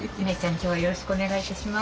今日はよろしくお願いいたします。